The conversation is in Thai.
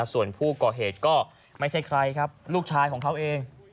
ส่วนผู้เป็นก็แห่งก็ไม่ใช่ใครครับลูกชายของเขาเองนะฮะ